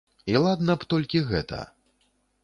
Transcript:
І ладна б толькі гэта.